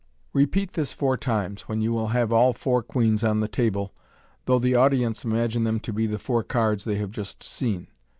Repeat this four times, when you will have all four queens on the table, though the audience imagine them to be the four cards they have just seen.